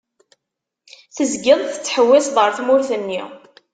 Tezgiḍ tettḥewwiseḍ ar tmurt-nni.